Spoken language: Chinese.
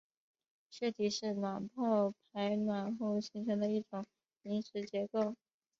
血体是卵泡排卵后形成的一种临时结构。